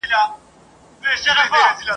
په لوی ډنډ کي اوبه کمي سوې ترخې سوې !.